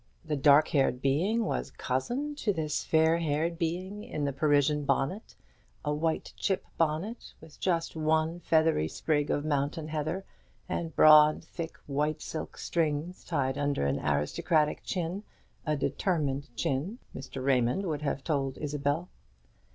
The dark haired being was cousin to this fair haired being in the Parisian bonnet, a white chip bonnet, with just one feathery sprig of mountain heather, and broad thick white silk strings, tied under an aristocratic chin a determined chin, Mr. Raymond would have told Isabel.